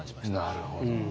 なるほど。